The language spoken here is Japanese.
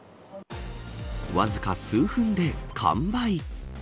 わずか数分で完売。